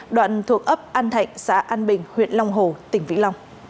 đoạn thuộc ấp an thạnh xã an bình huyện long hồ tỉnh vĩnh long